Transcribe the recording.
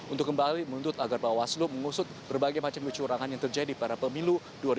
untuk kembali menuntut agar bawah selu mengusut berbagai macam kecurangan yang terjadi pada pemilu dua ribu sembilan belas